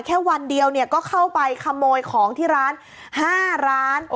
แค่วันเดียวก็เข้าไปขโมยของที่ร้าน๕ร้าน